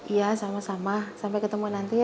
iya sama sama sampai ketemu nanti